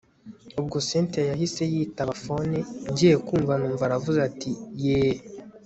ubwo cyntia yahise yitaba phone, ngiye kumva numva aravuze ati yeeeeh